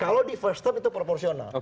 kalau di first time itu proporsional